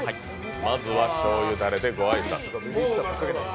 まずはしょうゆだれで御挨拶。